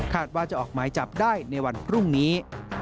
ว่าจะออกหมายจับได้ในวันพรุ่งนี้